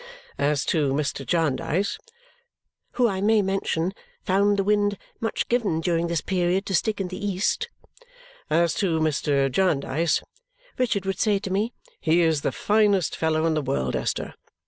"As to Mr. Jarndyce," who, I may mention, found the wind much given, during this period, to stick in the east; "As to Mr. Jarndyce," Richard would say to me, "he is the finest fellow in the world, Esther!